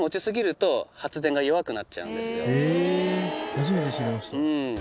初めて知りました。